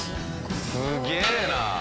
すげえな！